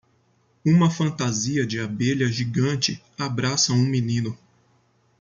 Uma fantasia de abelha gigante abraça um menino.